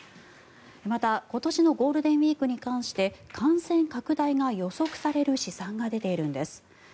また、今年のゴールデンウィークに関して感染拡大が予測される試算が出ているんです。